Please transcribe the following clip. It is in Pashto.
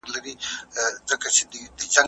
بد اخلاقي د نېکیو ثواب له منځه وړي.